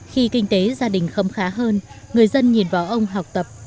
khi kinh tế gia đình khâm khá hơn người dân nhìn vào ông học tập